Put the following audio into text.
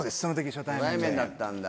初対面だったんだ。